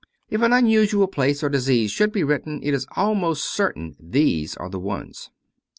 If an unusual place or disease should be written, it is almost certain these are the ones.